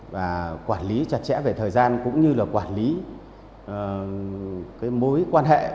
và quản lý chặt chẽ về thời gian cũng như là quản lý mối quan hệ